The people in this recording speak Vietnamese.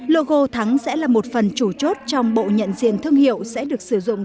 logo thắng sẽ là một phần chủ chốt trong bộ nhận diện thương hiệu sẽ được sử dụng